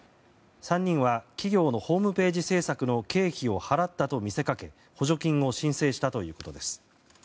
３人は企業のホームページ制作の経費を払ったと見せかけ補助金を申請したということです。